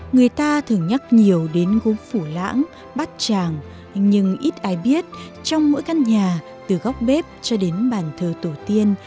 người ta thường nhắc nhiều đến gốm phủ lãng bát tràng nhưng ít ai biết trong mỗi căn nhà từ góc bếp cho đến bàn thờ tổ tiên